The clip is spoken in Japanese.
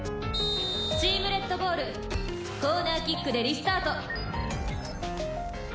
「チームレッドボール」「コーナーキックでリスタート」